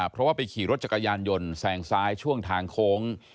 เพราะว่าไปขี่รถจักรยานยนต์แสงซ้ายช่วงทางโค้ง